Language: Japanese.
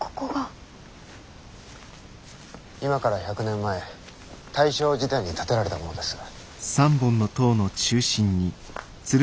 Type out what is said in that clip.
今から１００年前大正時代に建てられたものです。